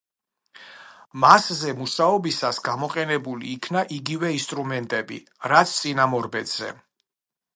მასზე მუშაობისას გამოყენებული იქნა იგივე ინსტრუმენტები, რაც წინამორბედზე.